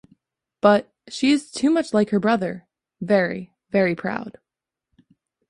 But she is too much like her brother — very, very proud.